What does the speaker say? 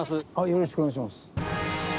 よろしくお願いします。